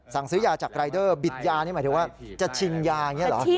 สั่งซื้อยาจากรายเดอร์บิดยานี่หมายถึงว่าจะชิงยาอย่างนี้เหรอ